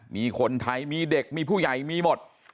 มีคนไทยมีเด็กมีผู้ใหญ่มีหมด